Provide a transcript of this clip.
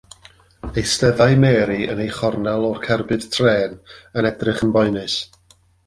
Eisteddai Mary yn ei chornel o'r cerbyd trên yn edrych yn boenus.